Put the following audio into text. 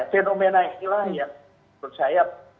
fenomena inilah yang menurut saya